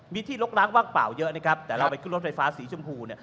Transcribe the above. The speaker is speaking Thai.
มีที่ลกล้างว่างเปล่าเยอะนะครับแต่เราไปขึ้นรถไฟฟ้าสีชมพูเนี่ย